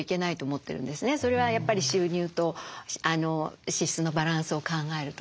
それはやっぱり収入と支出のバランスを考えるとね。